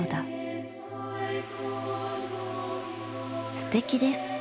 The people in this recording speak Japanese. すてきです